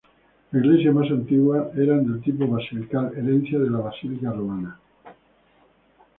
Las iglesias más antiguas eran del tipo basilical, herencia de la basílica romana.